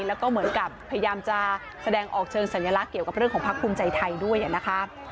แล้วก็เหมือนกับพยายามจะแสดงออกเชิงสัญลักษณ์เกี่ยวกับเรื่องของพักภูมิใจไทยด้วยนะคะ